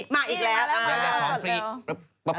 มากอีกแล้ว